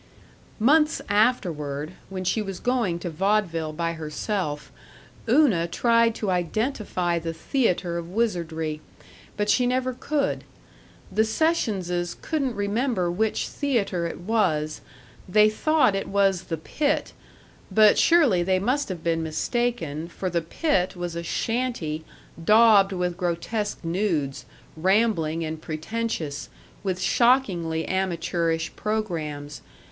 Months afterward, when she was going to vaudeville by herself, Una tried to identify the theater of wizardry, but she never could. The Sessionses couldn't remember which theater it was; they thought it was the Pitt, but surely they must have been mistaken, for the Pitt was a shanty daubed with grotesque nudes, rambling and pretentious, with shockingly amateurish programs.